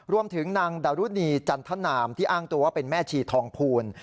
รวมถึงนางดารุณีจันทนามที่อ้างตัวว่าเป็นแม่ชีทองภูล